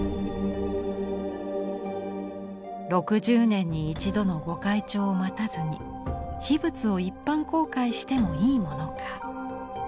６０年に一度の御開帳を待たずに秘仏を一般公開してもいいものか。